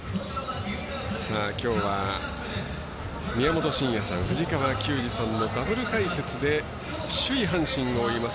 きょうは宮本慎也さん藤川球児さんのダブル解説で首位、阪神を追います